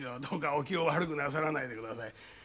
どうかお気を悪くなさらないでください。